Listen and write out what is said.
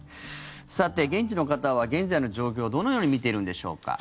さて、現地の方は現在の状況をどのように見ているのでしょうか。